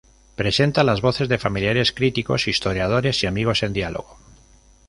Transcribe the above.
Presenta las voces de familiares, críticos, historiadores y amigos en diálogo.